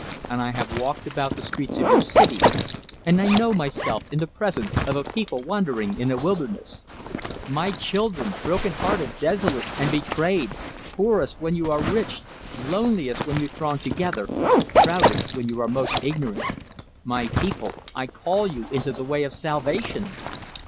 And I have walked about the streets of your city, and I know myself in the presence of a people wandering in a wilderness. My children! broken hearted, desolate, and betrayed poorest when you are rich, loneliest when you throng together, proudest when you are most ignorant my people, I call you into the way of salvation!"